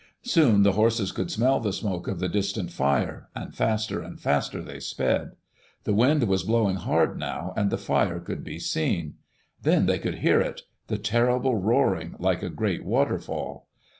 Soon the horses could smell the smoke of the distant fire, and faster and fastea they sped. The wind was blowing hard now, and the fire could be seen. Then they could hear it — the terrible roaring, like a great waterfall.